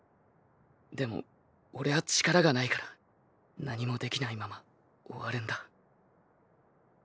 でもオレは力がないから何もできないまま終わるんだ。